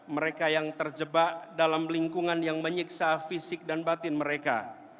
mereka yang terjebak dalam lingkungan yang menyiksa fisik dan batin mereka